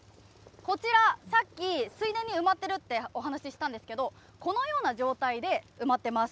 こちら、さっき水田に埋まっているってお話ししたんですけれども、このような状態で埋まってます。